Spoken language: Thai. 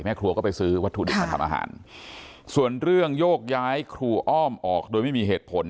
ครัวก็ไปซื้อวัตถุดิบมาทำอาหารส่วนเรื่องโยกย้ายครูอ้อมออกโดยไม่มีเหตุผล